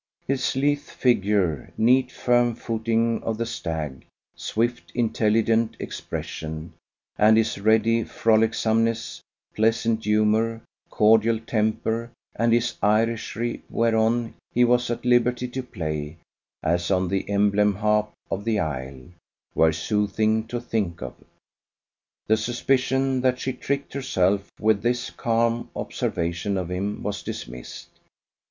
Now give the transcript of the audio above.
His lithe figure, neat firm footing of the stag, swift intelligent expression, and his ready frolicsomeness, pleasant humour, cordial temper, and his Irishry, whereon he was at liberty to play, as on the emblem harp of the Isle, were soothing to think of. The suspicion that she tricked herself with this calm observation of him was dismissed.